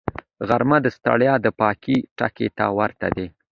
غرمه د ستړیا د پای ټکي ته ورته ده